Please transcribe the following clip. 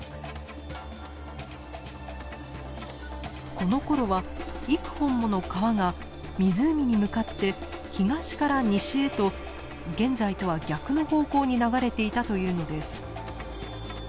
このころは幾本もの川が湖に向かって東から西へと現在とは逆の方向に流れていたというのです。